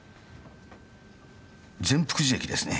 善福寺駅ですね。